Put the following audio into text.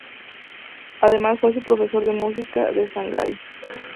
Además fue su profesor de música de Shangai.